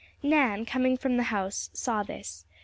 Nan, coming from the house saw this.